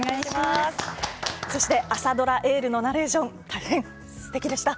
そして、朝ドラ「エール」のナレーション大変、すてきでした。